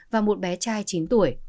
và một bé trai chín tuổi